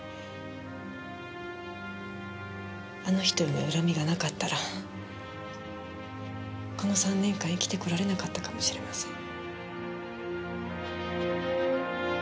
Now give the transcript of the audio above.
あの人への恨みがなかったらこの３年間生きてこられなかったかもしれません。